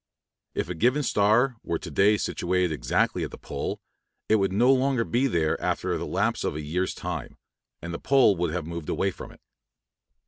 If a given star were to day situated exactly at the pole, it would no longer be there after the lapse of a year's time; for the pole would have moved away from it.